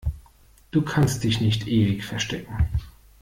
Du kannst dich nicht ewig verstecken!